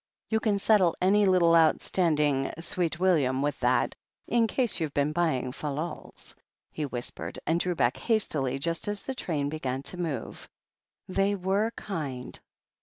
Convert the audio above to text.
"You can settle any little outstanding Sweet William with that, in case youVe been buying fal lals," he whis pered, and drew back hastily just as the train began to move. They were kind